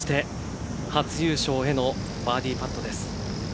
そして初優勝へのバーディーパットです。